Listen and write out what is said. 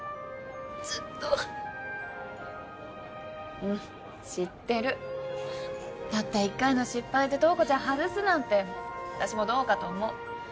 ずっとうん知ってるたった一回の失敗で塔子ちゃん外すなんて私もどうかと思う